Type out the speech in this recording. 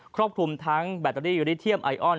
รอบคลุมทั้งแบตเตอรี่ยูริเทียมไอออน